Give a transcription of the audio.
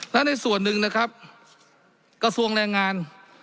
และในส่วนหนึ่งนะครับกระทรวงแรงงาน